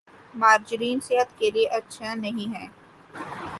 margarine صحت کے لئے اچھا نہیں ہے